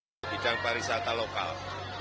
yang kedua bidang pariwisata lokal